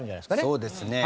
そうですね。